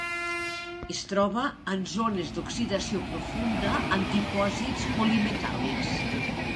Es troba en zones d'oxidació profunda en dipòsits polimetàl·lics.